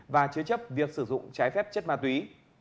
và chứa chấp việc sử dụng trái phép chất ma túy